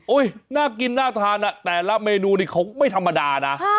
น่ากินน่าทานแต่ละเมนูนี่เขาไม่ธรรมดานะ